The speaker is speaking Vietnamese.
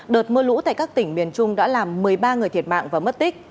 đợt mưa lũ tại các tỉnh miền trung đã làm một mươi ba người thiệt mạng và mất tích